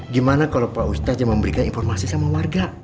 gimana kalau pak ustadz yang memberikan informasi sama warga